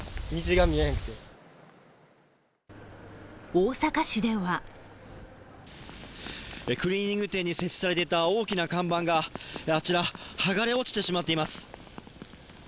大阪市ではクリーニング店に設置されていた大きな看板が、あちら、剥がれ落ちてしまっています。